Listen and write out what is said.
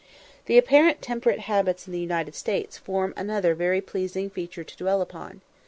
The apparently temperate habits in the United States form another very pleasing feature to dwell upon.